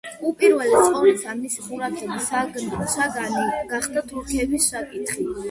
უპირველეს ყოვლისა მისი ყურადღების საგანი გახდა თურქების საკითხი.